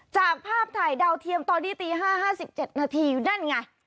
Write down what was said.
จากภาพถ่ายดาวเทียมตอนนี้ตี๕๕๗นาทีนั่นไง